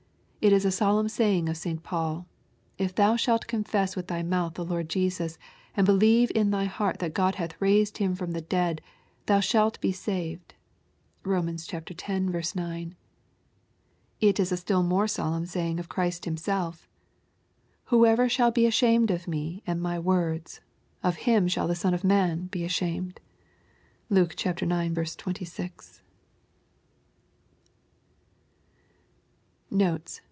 It is a solemn saying of St. Paul, ^^ If thou shalt confess with thy mouth the Lord Jesus, and believe in thy heart that God hath raised Him from the dead, thou shalt be saved.'' (Bom. x. 9.) It is a still more solemn saying of Christ Himself, " Whosoever shall be ashamed of me and my words, of him shall the Son of man be asham ed.'' (Luke ix. 26.) Notes.